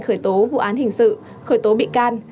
khởi tố vụ án hình sự khởi tố bị can